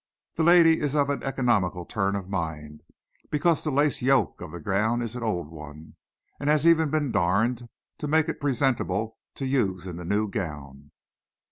The lady is of an economical turn of mind, because the lace yoke of the gown is an old one, and has even been darned to make it presentable to use in the new gown."